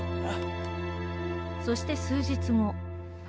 そして数日後